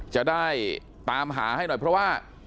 จะได้ตามหาให้หน่อยเพราะว่า